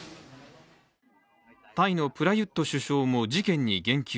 タイのプラユット首相も事件に言及。